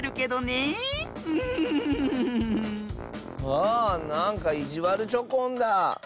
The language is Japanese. あなんかいじわるチョコンだ。